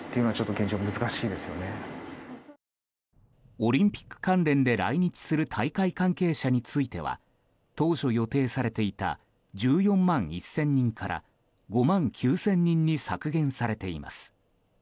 オリンピック関連で来日する大会関係者については当初予定されていた１４万１０００人から５万９０００人に削減されています。